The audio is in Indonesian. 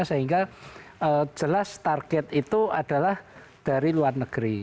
sehingga jelas target itu adalah dari luar negeri